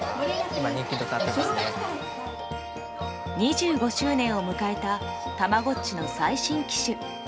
２５周年を迎えたたまごっちの最新機種。